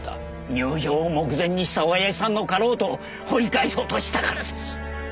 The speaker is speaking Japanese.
入定を目前にしたおやじさんのかろうとを掘り返そうとしたからです。